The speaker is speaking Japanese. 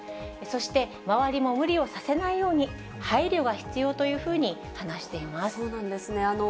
そして周りも無理させないように配慮が必要というふうに話していそうなんですね。